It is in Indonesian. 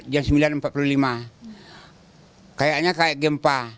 jam sembilan empat puluh lima kayaknya kayak gempa